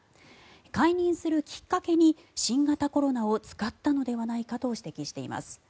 解任するきっかけに新型コロナを使ったのではないかと指摘しています。